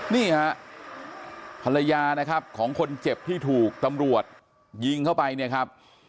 นี่ฮะภรรยานะครับของคนเจ็บที่ถูกตำรวจยิงเข้าไปเนี่ยครับ